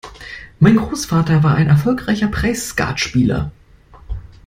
Mein Großvater war ein erfolgreicher Preisskatspieler.